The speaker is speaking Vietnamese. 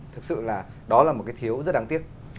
thực sự là đó là một cái thiếu rất đáng tiếc